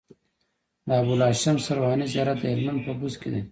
د ابوالهاشم سرواني زيارت د هلمند په بست کی دی